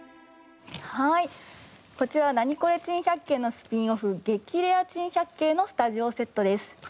はいこちらは『ナニコレ珍百景』のスピンオフ『ゲキレア珍百景』のスタジオセットです。